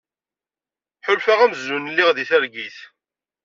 Ḥulfaɣ amzun lliɣ di targit.